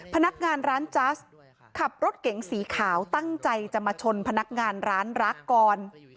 พนักงานร้านจัสขับรถเก๋งสีขาวตั้งใจจะมาชนพนักงานร้านรักก่อน